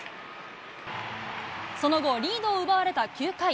その後、リードを奪われた９回。